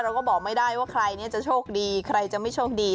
เราก็บอกไม่ได้ว่าใครเนี่ยจะโชคดีใครจะไม่โชคดี